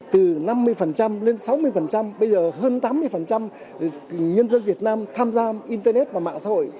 từ năm mươi lên sáu mươi bây giờ hơn tám mươi nhân dân việt nam tham gia internet và mạng xã hội